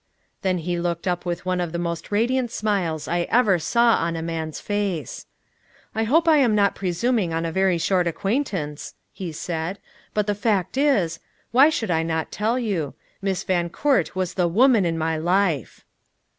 Then he looked up with one of the most radiant smiles I ever saw on a man's face. "I hope I'm not presuming on a very short acquaintance," he said, "but the fact is why should I not tell you? Miss Van Coort was the woman in my life!"